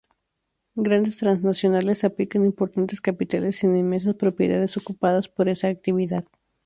Grandes transnacionales aplican importantes capitales en inmensas propiedades ocupadas por esa actividad.